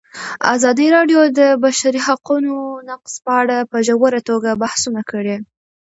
ازادي راډیو د د بشري حقونو نقض په اړه په ژوره توګه بحثونه کړي.